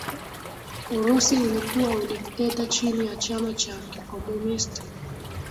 Urusi ilikuwa udikteta chini ya chama cha kikomunisti